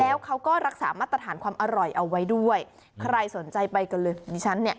แล้วเขาก็รักษามาตรฐานความอร่อยเอาไว้ด้วยใครสนใจไปกันเลยดิฉันเนี่ย